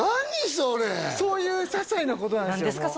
それそういうささいなことなんですよ何ですか？